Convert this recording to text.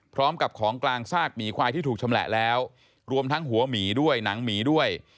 พร้อมกับของกลางซากหมีควายที่ถูกชำแหละแล้วรวมทั้งหัวหมีด้วยหนังหมีด้วย